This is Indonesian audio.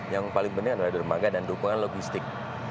yang paling penting adalah di remada dan dukungan logistik